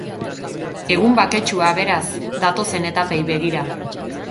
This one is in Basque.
Egun baketsua, beraz, datozen etapei begira.